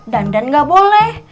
dandan nggak boleh